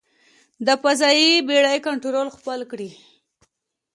د فضايي بېړۍ کنټرول خپل کړي.